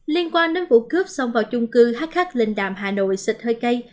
liên quan đến vụ cướp xong vào chung cư hh linh đạm hà nội xịt hơi cây